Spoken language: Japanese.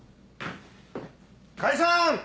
解散！